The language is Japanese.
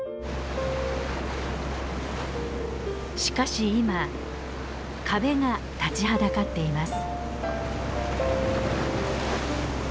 しかし今壁が立ちはだかっています。